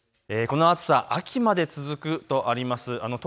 この暑さ、秋まで続くとあります。